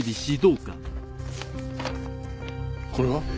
これは？